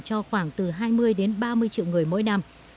cho khoảng từ hai mươi đến ba mươi triệu người mỗi năm